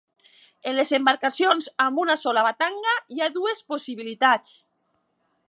En les embarcacions amb una sola batanga hi ha dues possibilitats.